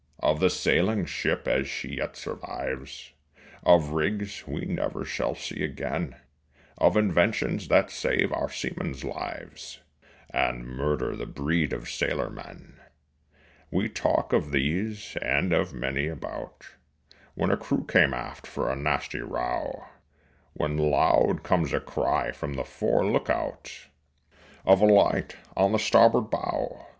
Of the sailing ship as she yet survives, Of rigs we never shall see again, Of inventions that save our seamen's lives And murder the breed of sailor men. We talk of these and of many a bout When a crew came aft for a nasty row When loud comes a cry from the fore look out Of a light on the starboard bow.